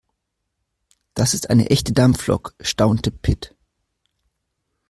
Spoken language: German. Das ist eine echte Dampflok, staunte Pit.